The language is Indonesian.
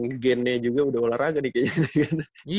emang gennya juga udah olahraga nih kayak gini